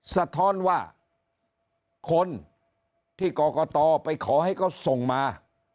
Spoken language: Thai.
สะท้อนว่าคนที่กรกตไปขอให้เขาส่งมา